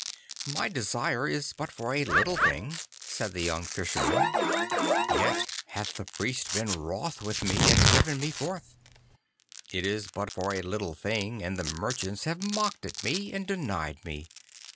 'My desire is but for a little thing,' said the young Fisherman, 'yet hath the Priest been wroth with me, and driven me forth. It is but for a little thing, and the merchants have mocked at me, and denied me.